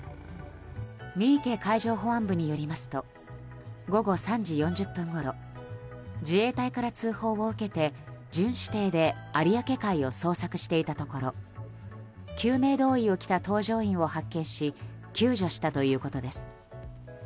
三池海上保安部によりますと午後３時４０分ごろ自衛隊から通報を受けて巡視艇で有明海を捜索していたところ救命胴衣を着た搭乗員を発見し救助したということです。